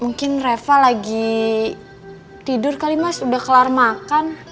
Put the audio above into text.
mungkin reva lagi tidur kali mas udah kelar makan